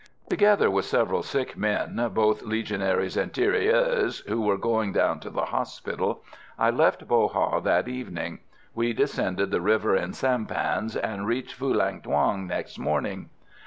Together with several sick men, both Legionaries and tirailleurs, who were going down to the hospital, I left Bo Ha that evening. We descended the river in sampans, and reached Phulang Thuong next morning.